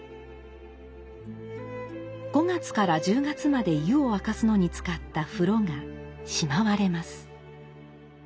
５月から１０月まで湯を沸かすのに使った風炉がしまわれます。